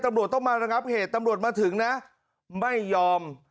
ตำรวจต้องมาระงับเหตุตำรวจมาถึงนะไม่ยอม